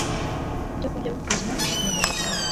ibyokurya bibi ku buzima Ariko kugira ngo haboneke imbaraga